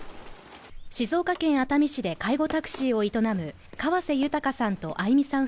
静岡県熱海市で介護タクシーを営む河瀬豊さんと愛美さん